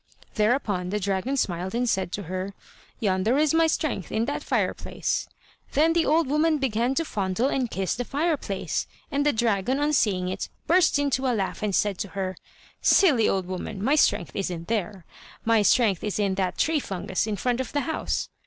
Thereupon the dragon smiled and said to her: "Yonder is my strength, in that fireplace." Then the old woman began to fondle and kiss the fireplace, and the dragon on seeing it burst into a laugh and said to her: "Silly old woman, my strength isn't there; my strength is in that tree fungus in front of the house."